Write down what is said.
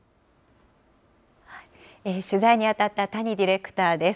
取材に当たった溪ディレクターです。